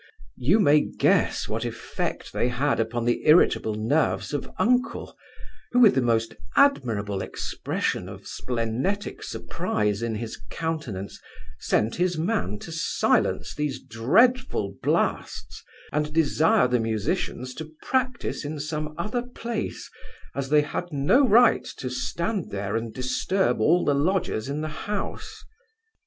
You may guess what effect they had upon the irritable nerves of uncle; who, with the most admirable expression of splenetic surprize in his countenance, sent his man to silence these dreadful blasts, and desire the musicians to practise in some other place, as they had no right to stand there and disturb all the lodgers in the house.